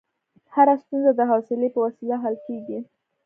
هره ستونزه د حوصلې په وسیله حل کېږي.